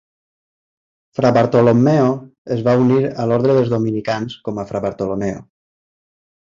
Fra Bartolommeo es va unir a l'ordre dels dominicans com a Fra Bartolomeo.